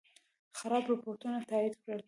خراب رپوټونه تایید کړل.